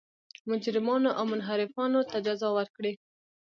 مجرمانو او منحرفانو ته جزا ورکړي.